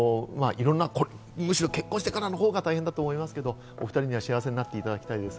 むしろ結婚してからのほうが大変だと思いますけど、お２人には幸せになっていただきたいです。